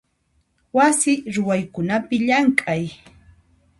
Wasi ruwaykunapi llamk'ay.